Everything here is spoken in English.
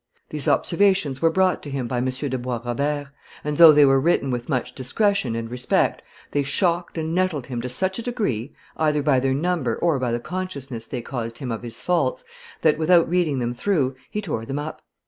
These observations were brought to him by M. de Bois Robert, and, though they were written with much discretion and respect, they shocked and nettled him to such a degree, either by their number or by the consciousness they caused him of his faults, that, without reading them through, he tore them up.